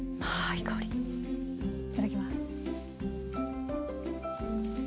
いただきます。